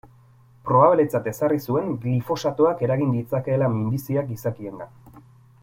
Probabletzat ezarri zuen glifosatoak eragin ditzakeela minbiziak gizakiengan.